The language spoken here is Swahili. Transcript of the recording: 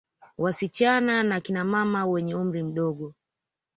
Wasichana na kina mama wenye umri mdogo